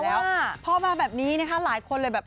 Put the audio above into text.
พอเจ้าเข้ามาแบบนี้ละะคนเลยแบบ